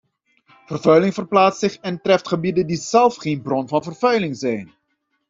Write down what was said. Vervuiling verplaatst zich en treft gebieden die zelf geen bron van vervuiling zijn.